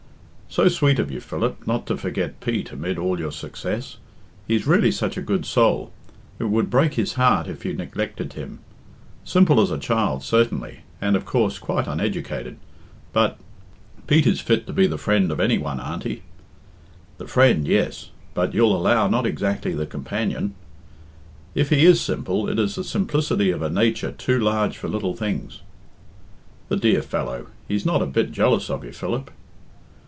"So sweet of you, Philip, not to forget Pete amid all your success. He's really such a good soul. It would break his heart if you neglected him. Simple as a child, certainly, and of course quite uneducated, but " "Pete is fit to be the friend of any one, Auntie." "The friend, yes, but you'll allow not exactly the companion " "If he is simple, it is the simplicity of a nature too large for little things." "The dear fellow! He's not a bit jealous of you, Philip."